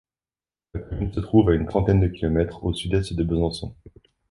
La commune se trouve à une trentaine de kilomètres au sud-est de Besançon.